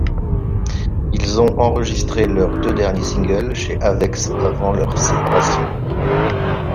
Ils ont enregistré leurs deux derniers singles chez Avex avant leur séparation.